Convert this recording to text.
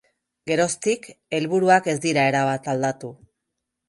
Geroztik, helburuak ez dira erabat aldatu.